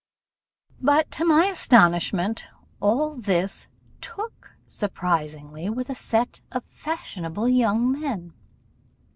But, to my astonishment, all this took surprisingly with a set of fashionable young men.